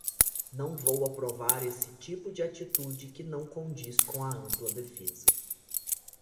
Não vou aprovar esse tipo de atitude que não condiz com a ampla defesa